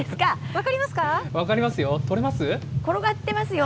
分かりますよ。